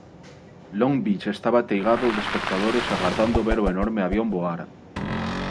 Long Beach estaba ateigado de espectadores agardando ver o enorme avión voar.